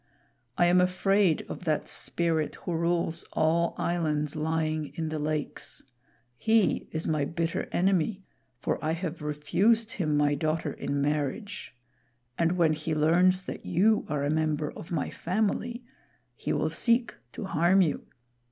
I am afraid of that Spirit who rules all islands lying in the lakes. He is my bitter enemy, for I have refused him my daughter in marriage; and when he learns that you are a member of my family, he will seek to harm you.